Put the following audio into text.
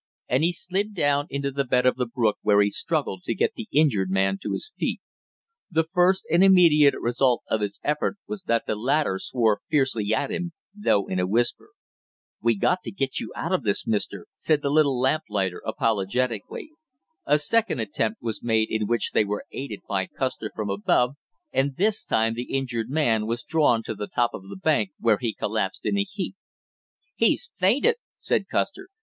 And he slid down into the bed of the brook where he struggled to get the injured man to his feet. The first and immediate result of his effort was that the latter swore fiercely at him, though in a whisper. "We got to get you out of this, mister!" said the little lamplighter apologetically. A second attempt was made in which they were aided by Custer from above, and this time the injured man was drawn to the top of the bank, where he collapsed in a heap. "He's fainted!" said Custer.